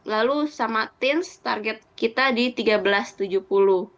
lalu sama tinz target kita di rp tiga belas tujuh ratus tujuh puluh